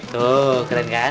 tuh keren kan